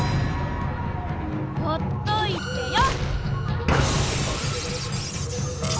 ほっといてよ！